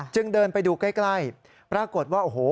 เดินไปดูใกล้ปรากฏว่าโอ้โห